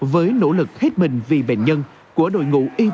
với nỗ lực hết bình vì bệnh nhân của đội ngũ ybac